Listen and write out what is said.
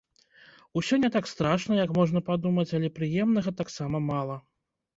Усё не так страшна, як можна падумаць, але прыемнага таксама мала.